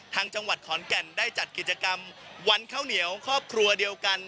จังหวัดขอนแก่นได้จัดกิจกรรมวันข้าวเหนียวครอบครัวเดียวกัน